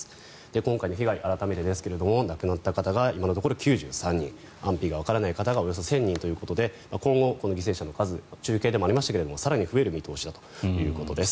今回の被害、改めてですが亡くなった方が今のところ９３人安否がわからない方がおよそ１０００人ということで今後この犠牲者の方の数は中継でもありましたが更に増える見込みだということです。